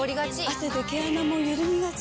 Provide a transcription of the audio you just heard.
汗で毛穴もゆるみがち。